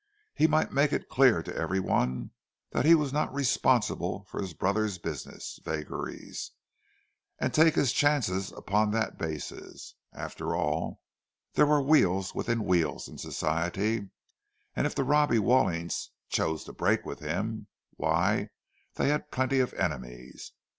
He might make it clear to every one that he was not responsible for his brother's business vagaries, and take his chances upon that basis. After all, there were wheels within wheels in Society; and if the Robbie Wallings chose to break with him—why, they had plenty of enemies.